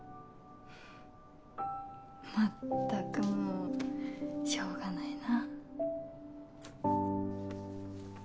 まったくもうしょうがないな。